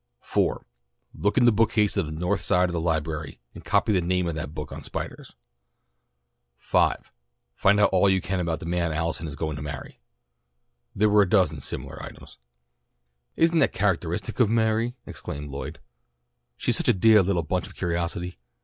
4 Look in the book case on the north side of the library, and copy the name of that book on Spiders. 5 Find out all you can about the man Allison is going to marry. There were a dozen similar items. "Isn't that characteristic of Mary?" exclaimed Lloyd. "She's such a deah little bunch of curiosity.